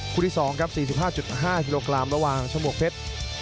ที่๒ครับ๔๕๕กิโลกรัมระหว่างชมวกเพชร